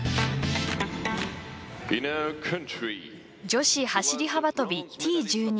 女子走り幅跳び、Ｔ１２